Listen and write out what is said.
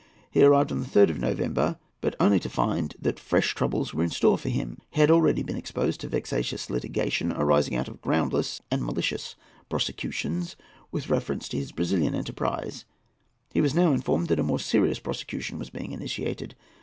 He arrived on the 3rd of November; but only to find that fresh troubles were in store for him. He had already been exposed to vexatious litigation, arising out of groundless and malicious prosecutions with reference to his Brazilian enterprise. He was now informed that a more serious prosecution was being initiated.